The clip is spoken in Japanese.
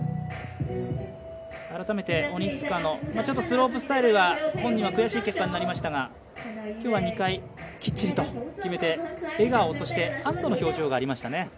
改めて鬼塚のスロープスタイルが本人は悔しい結果になりましたが今日は２回きっちりと決めて笑顔を、そして安どの表情がありましたね。